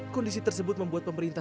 kondisi tersebut membuat pemerintah